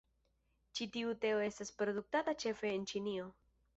Ĉi tiu teo estas produktata ĉefe en Ĉinio.